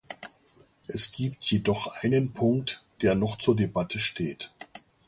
Es gibt jedoch einen Punkt, der noch zur Debatte steht.